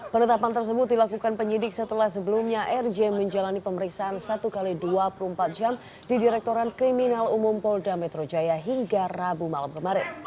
penetapan tersebut dilakukan penyidik setelah sebelumnya rj menjalani pemeriksaan satu x dua puluh empat jam di direktoran kriminal umum polda metro jaya hingga rabu malam kemarin